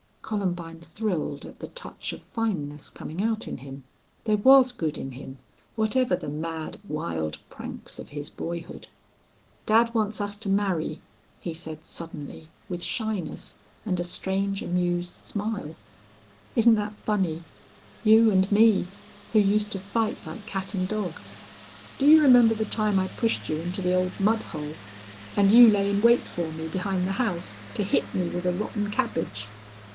Columbine thrilled at the touch of fineness coming out in him. There was good in him, whatever the mad, wild pranks of his boyhood. "Dad wants us to marry," he said, suddenly, with shyness and a strange, amused smile. "Isn't that funny? You and me who used to fight like cat and dog! Do you remember the time I pushed you into the old mud hole? And you lay in wait for me, behind the house, to hit me with a rotten cabbage?"